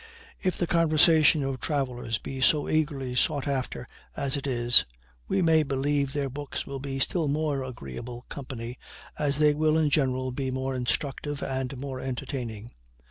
If the conversation of travelers be so eagerly sought after as it is, we may believe their books will be still more agreeable company, as they will in general be more instructive and more entertaining.